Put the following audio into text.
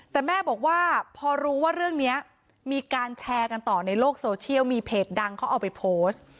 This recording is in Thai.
แต่แม่บอกว่าพอรู้ว่าเรื่องนี้มีการแชร์กันต่อในโลกโซเชียลมีเพจดังเขาเอาไปโพสต์